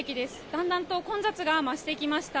だんだんと混雑が増してきました。